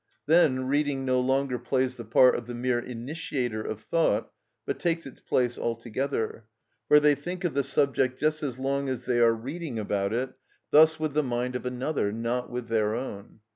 Then reading no longer plays the part of the mere initiator of thought, but takes its place altogether; for they think of the subject just as long as they are reading about it, thus with the mind of another, not with their own.